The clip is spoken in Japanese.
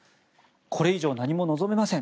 これ以上何も望めません